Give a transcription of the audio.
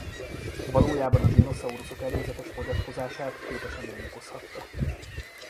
Valójában a dinoszauruszok előzetes fogyatkozását két esemény okozhatta.